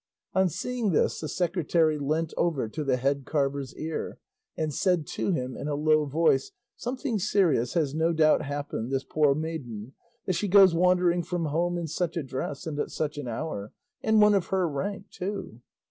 On seeing this the secretary leant over to the head carver's ear, and said to him in a low voice, "Something serious has no doubt happened this poor maiden, that she goes wandering from home in such a dress and at such an hour, and one of her rank too."